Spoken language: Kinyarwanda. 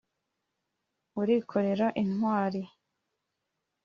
urikorera intwari.